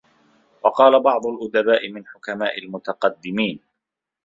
وَقَالَ بَعْضُ الْأُدَبَاءِ مِنْ حُكَمَاءِ الْمُتَقَدِّمِينَ